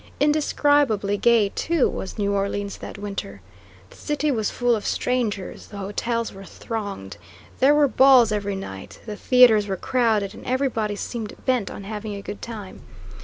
Indescribably gay, too, was New Orleans that winter. The city was full of strangers; the hotels were thronged; there were balls every night; the theatres were crowded, and everybody seemed bent on having a good time.